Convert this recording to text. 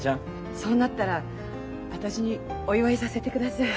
そうなったら私にお祝いさせてください。